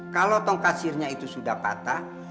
kalau tongkat sihirnya itu sudah patah